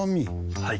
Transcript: はい。